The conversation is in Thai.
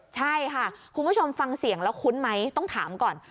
ใช่ค่ะคุณผู้ชมฟังเสียงแล้วคุ้นไหมต้องถามก่อน